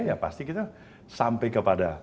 ya pasti kita sampai kepada